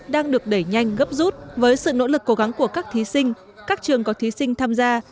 đang được đẩy nhanh gấp rút với sự nỗ lực cố gắng của các thí sinh các trường có thí sinh tham gia